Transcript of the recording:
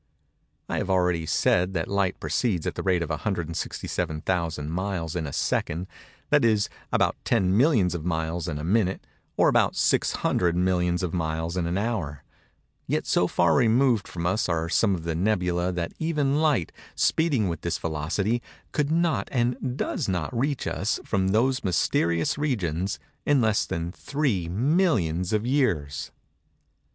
I have already said that light proceeds at the rate of 167,000 miles in a second—that is, about 10 millions of miles in a minute, or about 600 millions of miles in an hour:—yet so far removed from us are some of the "nebulæ" that even light, speeding with this velocity, could not and does not reach us, from those mysterious regions, in less than 3 millions of years.